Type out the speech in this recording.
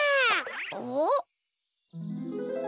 おっ？